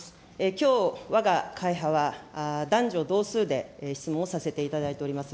きょう、わが会派は男女同数で質問をさせていただいております。